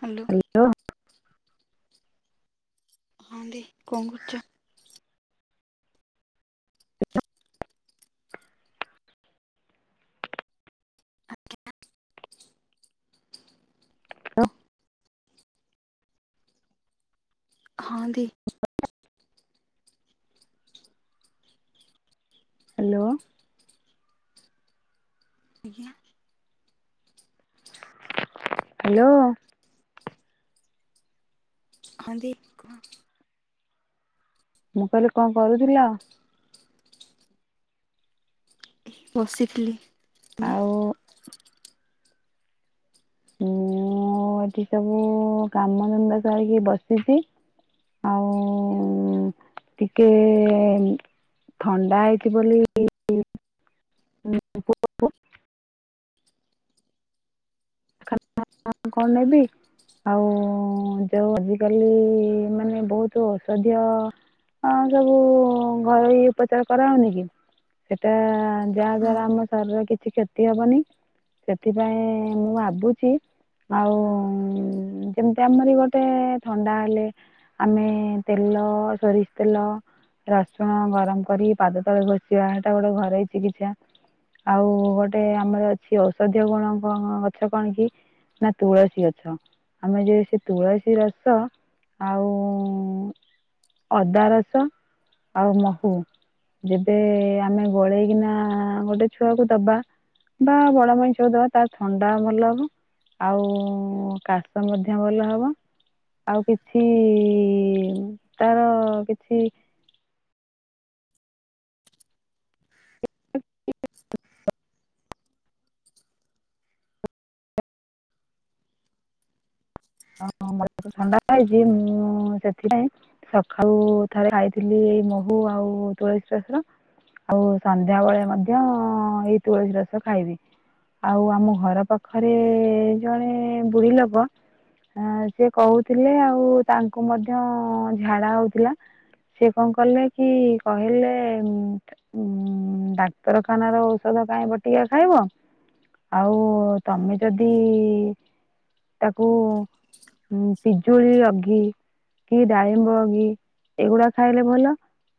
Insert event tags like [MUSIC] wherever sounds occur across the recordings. Hello. Hello. ହଁଦିକଣ କରୁଛ? Hello ହଁ ଦି। ହ୍ୟାଲୋ। ଆଜ୍ଞା। ହ୍ୟାଲୋ। ହଁ ଦି କୁହ। ମୁଁ କହିଲି କଣ କରୁଥିଲ? ବସିଥିଲି ତମେ? ଆଉ ମୁଁ ଏଠି ସବୁ କାମଧନ୍ଦା ସାରିକି ବସିଛି ଆଉ ଟିକେ ଥଣ୍ଡା ହେଇଛି ବୋଲି ହୁଁ କଣ ନେବି? ଆଉ ଯୋଉ ଆଜିକାଲି ମାନେ ବହୁତ ଔଷଧୀୟ ହଁ ସବୁ ଘରୋଇ ଉପଚାର କରା ହଉନି କି ସେଟା ଯାହା ହଁ ଦ୍ଵାରା ଆମ ଶରୀର କିଛି କ୍ଷତି ହବନି ସେଥିପାଇଁ ମୁଁ ଭାବୁଛି ଆଉ ଯେମିତି ଆମର ଗୋଟେ ଥଣ୍ଡା ହେଲେ ଆମେ ତେଲ ସୋରିଷ ତେଲ ରସୁଣ ଗରମ କରି ପାଦ ତଳେ ଘଷିବା ସେଟା ଗୋଟେ ଘରେ ହେଇ ଚିକିତ୍ସା। ଆଉ ଗୋଟେ ଆମର ଅଛି ଔଷଧୀୟ ଗୁଣ କଣ କଣ କି ନା ତୁଳସୀ ଗଛ ଆମେ ଯେ ସେ ତୁଳସୀ ରସ ଆଉ ଅଦା ରସ ଆଉ ମହୁ ଯେବେ ଆମେ ଗୋଳେଇକିନା ଗୋଟେ ଛୁଆକୁ ଦବା ବା ବଡ ମଣିଷକୁ ଦବା ତାର ଥଣ୍ଡ ଥଣ୍ଡା ଭଲ ହବ ଆଉ କାଶ ମଧ୍ୟ ଭଲ ହବ। ଆଉ କିଛି ତାର କିଛି [UNINTELLIGIBLE] ହଁ ମୋ ଥଣ୍ଡା ହେଇଛି ମୁଁ ସେଥିପାଇଁ ସକାଳୁ ଥରେ ଖାଇଥିଲି ଏଇ ମହୁ ଆଉ ତୁଳସୀ ରସ। ଆଉ ସନ୍ଧ୍ୟାବେେଳେ ମଧ୍ୟ ଏଇ ତୁଳସୀ ରସ ଖାଇବି। ଆଉ ଆମ ଘର ପାଖରେ ଜଣେ ବୁଢୀ ଲୋକ ଆ ସେ କହୁଥିଲେ ଆଉ ତାଙ୍କୁ ମଧ୍ୟ ଝାଡା ହଉଥିଲା ସେ କଣ କଲେ କି କହିଲେ ଉଁ ଡାକ୍ତରଖାନାର ଔଷଧ କାଇଁ ଗୋଟିଏ ଖାଇବ ଆଉ ତମେ ଯଦି ତାକୁ ପିଜୁଳି ଅଗି କି ଡାଳିମ୍ବ ଅଗି ଏଇଗୁଡା ଖାଇଲେ ଭଲ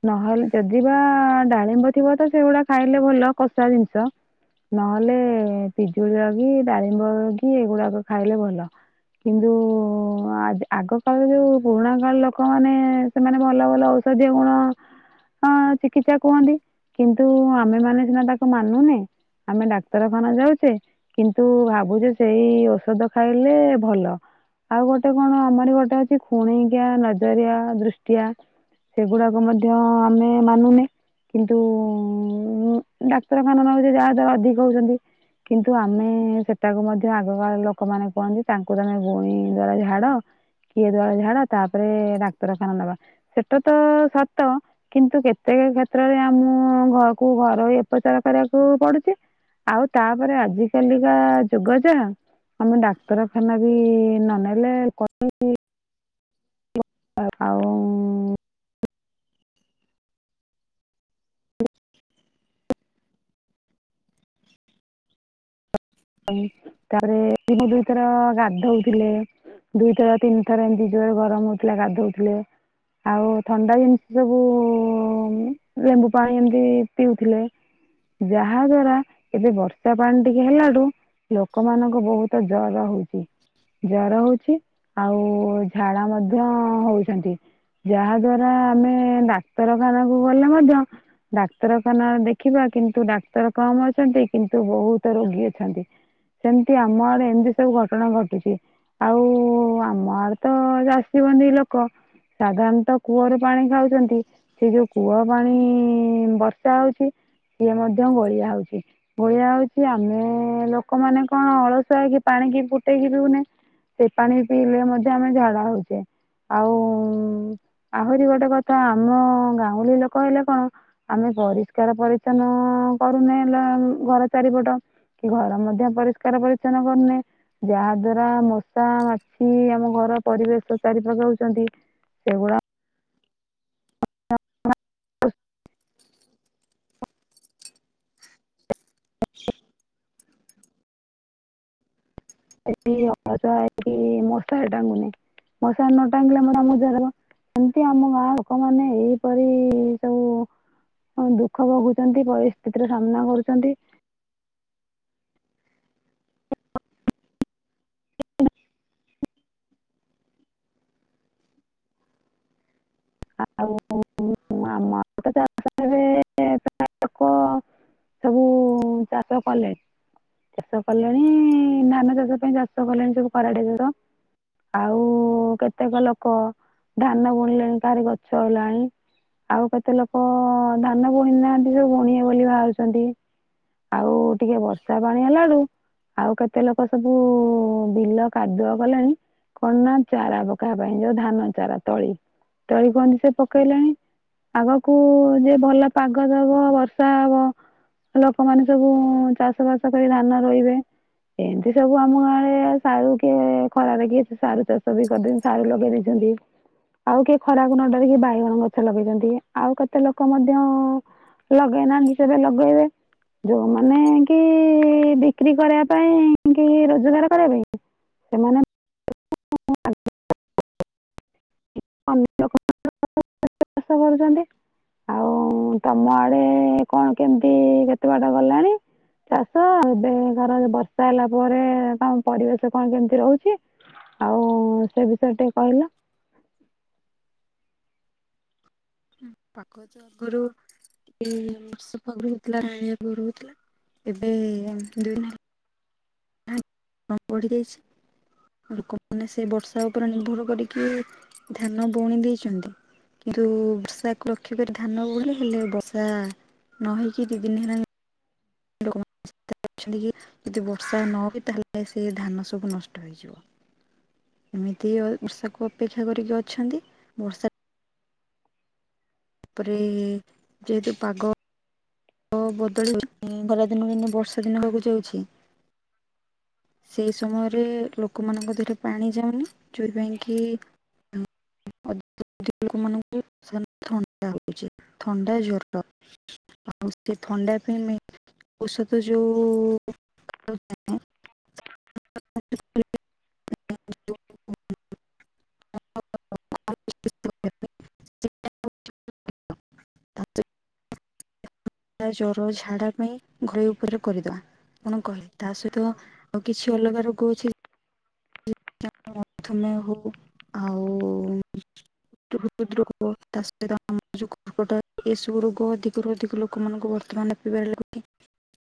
ନହେଲେ ଯଦି ବା ଡାଳିମ୍ବ ଥିବ ତ ସେଗୁଡା ଖାଇଲେ ଭଲ କଷା ଜିନିଷ ନହେଲେ ପିଜୁଳି ଅଗି ଡାଳିମ୍ବ ଅଗି ଏଗୁଡାକ ଖାଇଲେ ଭଲ କିନ୍ତୁ ହ ଆଗ କାଳରେ ଯୋଉ ପୁରୁଣା କାଳ ଲୋକମାନେ ସେମାନେ ଭଲ ଭଲ ଔଷଧୀୟ ଗୁଣ ହଁ ଚିକିତ୍ସା କୁହନ୍ତି କିନ୍ତୁ ଆମେମାନେ ସିନା ତାକୁ ମାନୁନେ ଆମେ ଡାକ୍ତରଖାନା ଯାଉଛେ କିନ୍ତୁ ଭାବୁଛେ ସେଇ ଔଷଧ ଖାଇଲେ ଭଲ ଆଉ ଗୋଟେ କଣ ଅମର ଖୁଣିଆ ନଜରିଆ ଦୃଷ୍ଟିଆ ସେଗୁଡାକ ମଧ୍ୟ ଆମେ ମାନୁନେ କିନ୍ତୁ ଡାକ୍ତରଖାନା ନେଉଛନ୍ତି ଯାହାର ଅଧିକ ହେଉଛନ୍ତି କିନ୍ତୁ ଆମେ ସେଟାକୁ ମଧ୍ୟ ଆଗକାଳ ଲୋକମାନେ କୁହନ୍ତି ତାଙ୍କୁ ତମେ ବୈଦଦ୍ଵାରା ଝାଡ଼ କିଏ ଦ୍ଵାରା ଝାଡ଼ ତାପରେ ଡାକ୍ତରଖାନା ନେବା ସେଟା ତ ସତ କିନ୍ତୁ କେତେକ କ୍ଷେତ୍ରରେ ଆମକୁ ଘରୋଇ ଉପଚାରଣ କରିବାକୁ ପଡୁଛି ଆଉ ତାପରେ ଆଜିକାଲିକା ଯୁଗ ଯାହା ଆମେ ଡାକ୍ତରଖାନା ନ ନେଲେ ଆଉ ତାପରେ ଦିନକୁ ଦୁଇଥର ଗାଧେଉଥିଲେ ଦୁଇଥର ତିନିଥର ଏମିତି ଜୋରେ ଗରମ ହେଉଥିଲା ଗାଧେଇଥିଲେ ଆଉ ଥଣ୍ଡା ଜିନିଷ ସବୁ ଲେମ୍ବୁ ପାଣି ଏମିତି ପିଉଥିଲେ ଯାହା ଦ୍ବାରା ଏବେ ବର୍ଷା ପାଣି ଟିକେ ହେଲାଠୁ ଲୋକମାନଙ୍କୁ ବହୁତ ଜର ହଉଛି ଜର ହଉଛି ଆଉ ଝାଡା ମଧ୍ୟ ହେଉଛନ୍ତି ଯାହା ଦ୍ଵାରା ଆମେ ଡାକ୍ତରଖାନାକୁ ଗଲେ ମଧ୍ୟ ଡାକ୍ତରଖାନା ଦେଖିବା କିନ୍ତୁ ଡାକ୍ତର କମ୍ ଅଛନ୍ତି କିନ୍ତୁ ବହୁତ ରୋଗୀ ଅଛନ୍ତି ସେମିତି ଆମ ଆଡେଏମିତି ସବୁ ଘଟଣା ଘଟୁଛି ଆଉ ଆମ ଆଡ଼େ ତ ଚାଷିବନ୍ଧି ଲୋକ ସାଧାରଣତଃ କୂଅରୁ ପାଣି ଖାଉଛନ୍ତି ସେ ଯୋଉ କୂଅ ପାଣି ବର୍ଷା ହେଉଛି ଇଏ ମଧ୍ୟ ଗୋଳିଆ ହଉଛି ଗୋଳିଆ ହଉଛି ଆମେ ଲ ଲୋକମାନେ କଣ ଅଳସୁଆହେଇକି ପାଣି କିି ଫୁଟେଇକି ପିଉନେ ସେ ପାଣି ପିଇଲେ ମଧ୍ୟ ଆମେ ଝାଡ଼ା ହେଉଛେ ଆଉ ଆହୁରି ଗୋଟେ କଥା ଆମ ଗାଉଁଳି ଲୋକ ହେଲେ କଣ ଆମେ ପରିଷ୍କାର ପରିଚ୍ଛନ୍ନ କରୁନେ ହେଲେ ଘର ଚାରିପଟ କି ଘର ମଧ୍ୟ ପରିଷ୍କାର ପରିଚ୍ଛନ୍ନ କରୁନେ ଯାହା ଦ୍ଵାରା ମଶା ମାଛି ଆମ ଘର ପରିବେଶ ଚାରିପାଖେ ରହୁଛନ୍ତି ସେଗୁଡା ହଁ ହଁ ଏଠି ମଶା ଏଠି ମଶା ଟାଙ୍ଗୁନେ ମଶା ନ ଟାଙ୍ଗିଲେ ମୋର ମୁଣ୍ଡ ଧରିବା ଏମିତି ଆମ ଗାଁ ଲୋକମାନେ ଏଇପରି ସବୁ ଦୁଃଖ ଭୋଗୁଛନ୍ତି ପରିସ୍ଥିତିର ସାମ୍ନା କରୁଛନ୍ତି ଆଉ ଆମ ଆଡେ ଜାରକାରେ ପ୍ରାୟ ଲୋକ ଲୋକ ସବୁ ଚାଷ କଲେଣି ଚାଷ କଲେଣି ଧାନ ଚାଷ ପାଇଁ ଚାଷ କଲେଣି ସବୁ ପାରାଦୀପର ଆଉ କେତେକ ଲୋକ ଧାନ ବୁଣିଲେଣି କାହାରି ଗଛ ହେଲାଣି ଆଉ କେ କେତେ ଲୋକ ଧାନ ବୁଣି ନାହାନ୍ତି ସବୁ ବୁଣିବେ ବୋଲି ବାହାରୁଛନ୍ତି। ଆଉ ଟିକେ ବର୍ଷା ପାଣି ହେଲାଳୁ। ଆଉ କେତେ ଲୋକ ସବୁ ବିଲ କାଦୁଅ କଲେଣି। କଣ ନା ଚାରା ପକେଇବା ପାଇଁ। ଯୋଉ ଧାନ ଚାରା ତଳି ତଳି କୁହନ୍ତି ସେ ପକେଇଲେଣି। ଆଗକୁ ଯେ ଭଲ ପାଗ ଦବ ବର୍ଷା ହବ। ଲୋକମାନେ ସବୁ ଚାଷ ବାସ କରି ଧାନ ରୋଇବେ। ଏନ୍ତି ସବୁ ଆମ ଗାଁରେ ସାରୁ କି ଖରାରେ କି ସାରୁୁ ଚାଷ ବି କରିଦେ। ସାରୁ ଲଗେଇ ଦେଇଛନ୍ତି। ଆଉ କେହି ଖରାକୁ ନ ଡରିକି ବାଇଗଣ ଗଛ ଲଗେଇଛନ୍ତି। ଆଉ କେତେ ଲୋକ ମଧ୍ୟ ଲଗେଇନାହାନ୍ତି ସେ ଏବେ ଲଗେଇବେ। ଯୋଉମାନେ କି ବିକ୍ରି କରିବା ପାଇଁ କି, ରୋଜଗାର କରିବା ପାଇଁ। ସେମାନେେ [INAUDIBLE] [INAUDIBLE] ଓ [UNINTELLIGIBLE] କରୁଛନ୍ତି। ଆଉ ତମ ଆଡେ କଣ କେମିତି କେତେ ବାଟ ଗଲାଣି? ଚାଷ ଏବେକାର ବର୍ଷା ହେଲା ପରେ। କଣ ପରିବେଶ କଣ କେମିତି ରହୁଛି? ଆଉ ସେ ବିଷୟରେ ଟିକେ କହିଲ? ହଁ ପାଖ ଯାଗରୁ ଉଁ ବର୍ଷପାଗ ରହୁଥିଲା। ରାଣୀଆକୁ ରହୁଥିଲା। [UNINTELLIGIBLE] ଏବେ ଦୁଇ ଦିନ ଆ ଆପଢି ଦେଇଛି। [UNINTELLIGIBLE] ଲୋକମାନେ ସେ ବର୍ଷା ଉପରେ ନିର୍ଭର କରିକି ଧାନ ବୁଣି ଦେଇଛନ୍ତି। କିନ୍ତୁ ବର୍ଷାକୁ ଲକ୍ଷ୍ୟ କରି ଧାନ ବୁଣିଲେ। ହେଲେ ବର୍ଷା ନ ହେଇକି ଦି ଦିନ ହେଲାନି [INAUDIBLE] ଆକ୍ଚୁଆାଲି ଯଦି ବର୍ଷା ନ ହୁଏ ତାହେଲେ ସେ ଧାନ ସବୁ ନଷ୍ଟ ହେଇଯିବ। ଏମିତି ବର୍ଷାକୁ ଅପେକ୍ଷା କରିକି ଅଛନ୍ତି। ବର୍ଷା ତାପରେ ଯେହେତୁ ପାଗ ପାଗ ବଦଳି ଖରା ଦିନ ଦିନେ ବର୍ଷା ଦିନ ହେବାକୁ ଯାଉଛି। ସେଇ ସମୟରେ ଲୋକମାନଙ୍କ ଦେହରେ ପାଣି ଯାଉନି। ଯୋଉପାଇଁ କିି [INAUDIBLE] [INAUDIBLE] ଲୋକମାନଙ୍କୁ ଥଣ୍ଡା ହଉଛି। ଥଣ୍ଡା ଜ୍ୱର। [INAUDIBLE] ସେ ଥଣ୍ଡା ପାଇଁ [UNINTELLIGIBLE] ମେ ଔଷଧ ଯୋଉ [INAUDIBLE] [INAUDIBLE] ଥଣ୍ଡା, ଜର, ଝାଡ଼ା ପାଇଁ ଘରୋଇ ଉପଯୋଗ କରିଦବା। ଆପଣ କଲେ ତା ସହିତ କଣ କିଛି ଅଲଗା ରୋଗ ହଉଛି। [INAUDIBLE] ଥମେ ହଉ ଆଉ [INAUDIBLE] ଏ ସବୁ ରୋଗ ଅଧିକରୁ ଅଧିକ ଲୋକମାନଙ୍କୁ ବର୍ତ୍ତମାନ ହେବାରେ ଲାଗିଛି।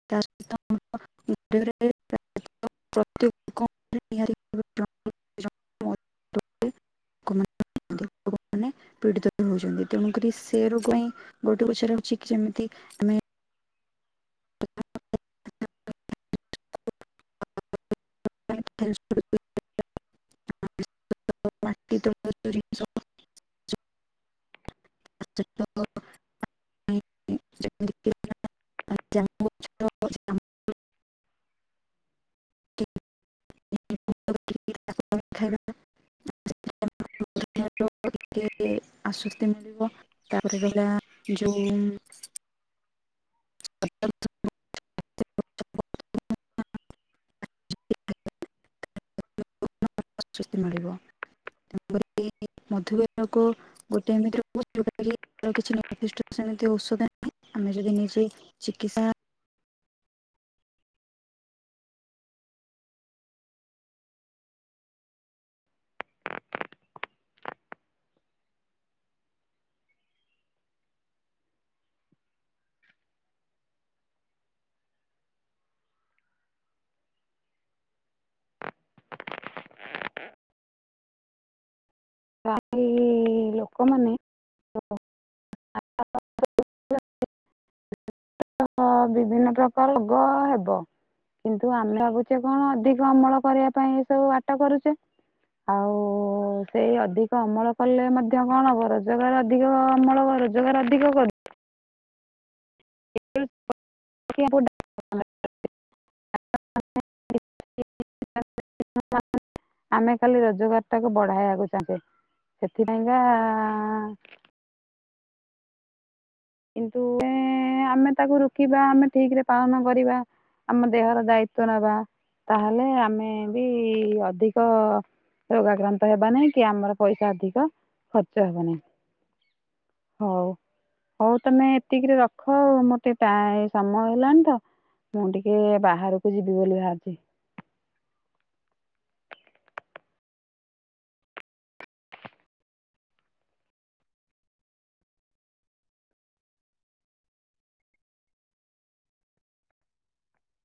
[UNINTELLIGIBLE] [INAUDIBLE] [INAUDIBLE] ମାନେ ପୀଡିତ ହେଉଛନ୍ତି। ତେଣୁକରି ସେ ରୋଗ ପାଇଁ ଗୋଟେ ପଛ ରହୁଛି କି ଯେମିତି ଆମେ [UNINTELLIGIBLE] [INAUDIBLE] [INAUDIBLE] [INAUDIBLE] [INAUDIBLE] [INAUDIBLE] [UNINTELLIGIBLE] ଟିକେ ଆଶ୍ୱସ୍ତି ମିଳିବ, ତାପରେ ରହିଲା ଯେଉଁ ଆଶ୍ଵସ୍ତି ମିଳିବ। ତେଣୁକରି ଏଇ ମଧୁମେହ କୁ ଗୋଟେ ରୋଗ ଯୋଉଟାକି ଏହାର କିଛି ନିର୍ଦ୍ଧିଷ୍ଟ ସେମିତି ଔଷଧ ନାହିଁ, ଆମେ ଯଦି ନିଜେ ଚିକିତ୍ସା [INAUDIBLE] [UNINTELLIGIBLE] ଲୋକମାନେ [UNINTELLIGIBLE] [UNINTELLIGIBLE] ବିଭିନ୍ନ ପ୍ରକାର ରୋଗ ହେବ। କିନ୍ତୁ ଆମେ ଭାବୁଛେ କଣ ଅଧିକ ଅମଳ କରିବା ପାଇଁ ଏସବୁ ବାଟ କରୁଚେ। ଆଉ ସେଇ ଅଧିକ ଅମଳ କଲେ ମଧ୍ୟ କଣ ହବ? ରୋଜଗାର ଅଧିକ ଅମଳ କର, ରୋଜଗାର ଅଧିକ କରୁ। [UNINTELLIGIBLE] [UNINTELLIGIBLE] ଆମେ ଖାଲି ରୋଜଗାରଟାକୁ ବଢାଇବାକୁ ଚାହୁଁଚେ। ସେଥିପାଇଁକା କିନ୍ତୁ-ଏଁ-ଏଁ ଆମେ ତାକୁ ରୋକିବା, ଆମେ ଠିକ୍ ରେ ପାଳନ କରିବା। ଆମ ଦେହର ଦାୟିତ୍ଵ ନବା, ତାହେଲେ ଆମେ ବି ଅଧିକ ରୋଗାକ୍ରାନ୍ତ ହେବା ନାହିଁ କି ଆମର ପଇସା ଅଧିକ ଖର୍ଚ୍ଚ ହେବ ନାହିଁ। ହଉ। ହଉ, ତମେ ଏତିକିରେ ରଖ। ଆଉ ମୋର ଟିକେ ଟାଇ ସମୟ ହେଲାଣି ତ। ମୁଁ ଟିକେ ବାହାରକୁ ଯିବି ବୋଲି ଭାରିଚି।